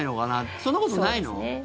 そんなことないの？